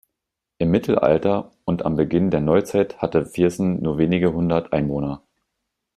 Im Mittelalter und am Beginn der Neuzeit hatte Viersen nur wenige hundert Einwohner.